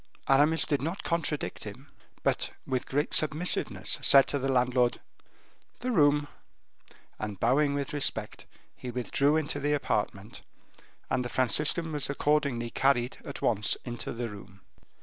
Aramis did not contradict him, but, with great submissiveness, said to the landlord: "The room." And bowing with respect he withdrew into the apartment, and the Franciscan was accordingly carried at once into the room.